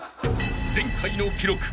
［前回の記録